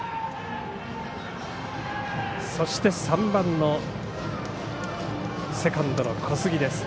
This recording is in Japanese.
そして、３番のセカンドの小杉です。